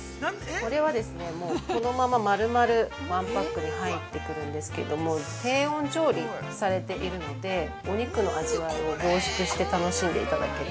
これはこのまままるまるワンパックで入ってくるんですけど、低温料理されているのでお肉の味わいを凝縮して楽しんでいただける。